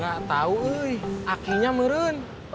gak tahu ui akhirnya merun